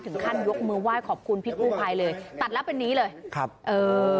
ถึงขั้นยกมือไหว้ขอบคุณพี่กู้ภัยเลยตัดแล้วเป็นนี้เลยครับเออ